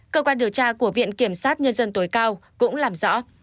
cơ quan điều tra của viện kiểm sát nhân dân tối cao cũng làm rõ